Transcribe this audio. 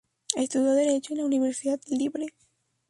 Estudió derecho en la Universidad Libre.